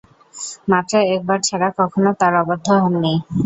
মাত্র একবার ছাড়া কখনো তার অবাধ্য হননি।